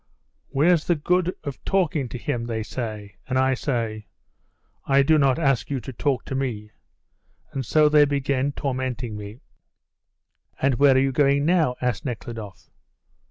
'Where's the good of talking to him,' they say, and I say, 'I do not ask you to talk to me.' And so they begin tormenting me." "And where are you going now?" asked Nekhludoff.